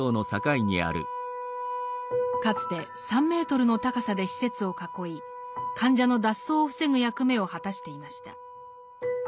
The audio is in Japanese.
かつて３メートルの高さで施設を囲い患者の脱走を防ぐ役目を果たしていました。